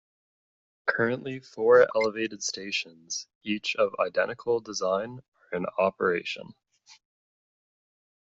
Currently four elevated stations, each of identical design, are in operation.